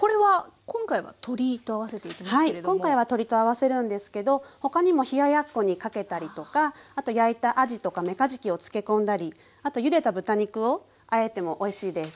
はい今回は鶏と合わせるんですけど他にも冷ややっこにかけたりとかあと焼いたあじとかめかじきを漬け込んだりあとゆでた豚肉をあえてもおいしいです。